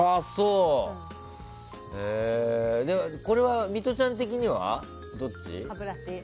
これはミトちゃん的にはどっち？